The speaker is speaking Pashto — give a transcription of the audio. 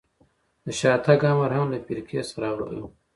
د شاتګ امر هم له فرقې څخه راغلی و.